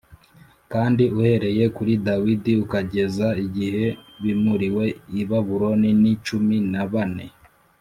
kandi uhereye kuri Dawidi ukageza igihe bimuriwe i Babuloni ni cumi na bane,